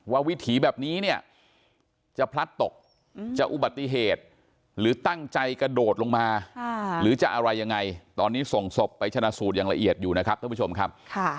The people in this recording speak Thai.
วิถีแบบนี้เนี่ยจะพลัดตกจะอุบัติเหตุหรือตั้งใจกระโดดลงมาหรือจะอะไรยังไงตอนนี้ส่งศพไปชนะสูตรอย่างละเอียดอยู่นะครับท่านผู้ชมครับ